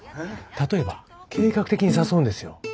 例えば計画的に誘うんですよ。